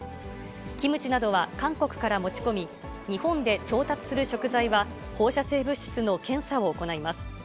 キムチなどは韓国から持ち込み、日本で調達する食材は放射性物質の検査を行います。